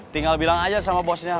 tinggal bilang aja sama bosnya